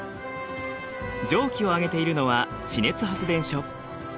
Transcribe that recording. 蒸気を上げているのは地熱発電所。